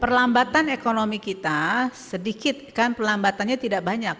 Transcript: perlambatan ekonomi kita sedikit kan perlambatannya tidak banyak